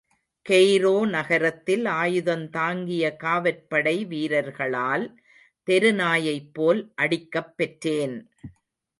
Cairo நகரத்தில் ஆயுதந்தாங்கிய காவற்படை வீரர்களால் தெரு நாயைப் போல் அடிக்கப் பெற்றேன்!